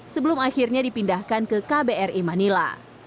sebelum akhirnya dipindahkan ke kbri manila